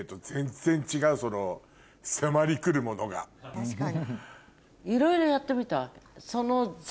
確かに。